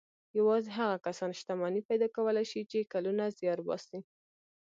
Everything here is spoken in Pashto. يوازې هغه کسان شتمني پيدا کولای شي چې کلونه زيار باسي.